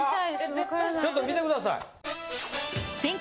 ちょっと見てください。